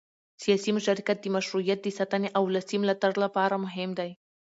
سیاسي مشارکت د مشروعیت د ساتنې او ولسي ملاتړ لپاره مهم دی